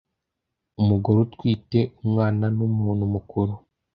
umugore utwite, umwana n’umuntu mukuru